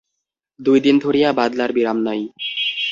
দুই দিন ধরিয়া বাদলার বিরাম নাই।